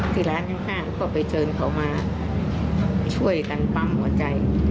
ที่ร้านข้างก็ไปเชิญเขามาช่วยกันปั๊มหัวใจ